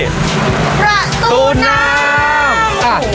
ประตูน้ำ